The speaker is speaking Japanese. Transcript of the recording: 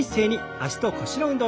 脚と腰の運動。